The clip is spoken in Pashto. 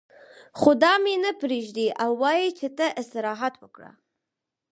خو دا مې نه پرېږدي او وايي چې ته استراحت وکړه.